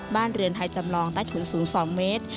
บ้านเรือนไทยจำลองได้ถึง๐๒เมตร